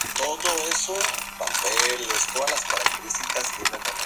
Varias especies son muy utilizadas en control biológico en cultivos agrícolas.